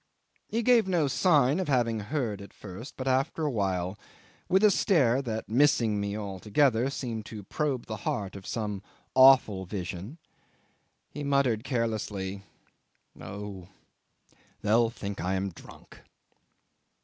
'He gave no sign of having heard at first, but after a while, with a stare that, missing me altogether, seemed to probe the heart of some awful vision, he muttered carelessly "Oh! they'll think I am drunk."